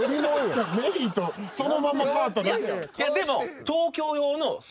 メリーとそのまま変わっただけやん。